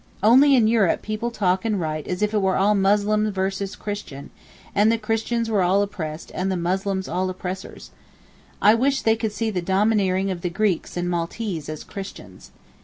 Only in Europe people talk and write as if it were all Muslim versus Christian, and the Christians were all oppressed, and the Muslims all oppressors. I wish they could see the domineering of the Greeks and Maltese as Christians.